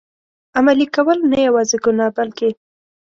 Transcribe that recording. عملي کول، نه یوازي ګناه بلکه.